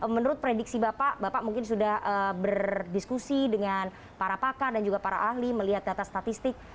menurut prediksi bapak bapak mungkin sudah berdiskusi dengan para pakar dan juga para ahli melihat data statistik